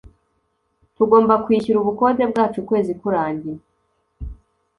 Tugomba kwishyura ubukode bwacu ukwezi kurangiye.